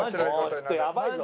ちょっとやばいぞ？